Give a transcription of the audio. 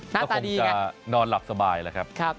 น่าตาดีกันคงจะนอนหลับสบายค่ะ